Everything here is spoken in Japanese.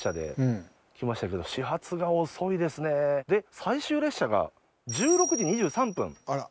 で最終列車が１６時２３分。